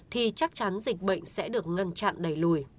thì chắc chắn dịch bệnh sẽ được ngăn chặn đẩy lùi